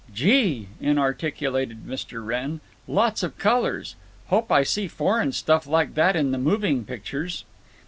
"Gee!" inarticulated Mr. Wrenn. "Lots of colors. Hope I see foreign stuff like that in the moving pictures."